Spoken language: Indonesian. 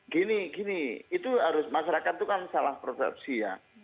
gini gini itu harus masyarakat itu kan salah persepsi ya